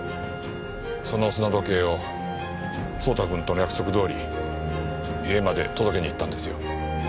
その砂時計を蒼太くんとの約束どおり家まで届けに行ったんですよ。